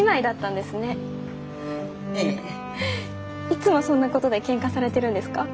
いつもそんなことでけんかされてるんですか？